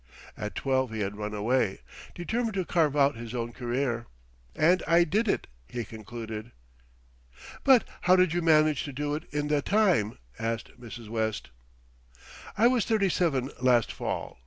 At twelve he had run away, determined to carve out his own career, "And I did it," he concluded. "But how did you manage to do it in the time?" asked Mrs. West. "I was thirty seven last fall.